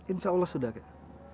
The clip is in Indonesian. insya allah sudah kakek